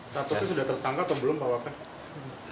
satu sih sudah tersangka atau belum pak wapen